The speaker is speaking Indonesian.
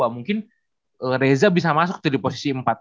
mungkin reza bisa masuk ke posisi empat